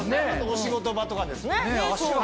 お仕事場とかですね。